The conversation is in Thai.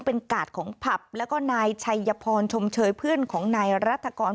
เป็นกาดของผับแล้วก็นายชัยพรชมเชยเพื่อนของนายรัฐกร